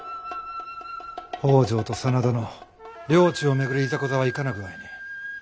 北条と真田の領地を巡るいざこざはいかな具合に？